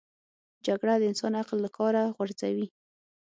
جګړه د انسان عقل له کاره غورځوي